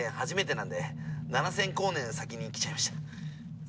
初めてなんで７，０００光年先に来ちゃいました。